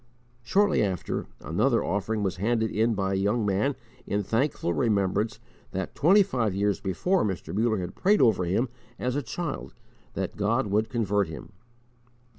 _ Shortly after, another offering was handed in by a young man in thankful remembrance that twenty five years before Mr. Muller had prayed over him, as a child, that God would convert him.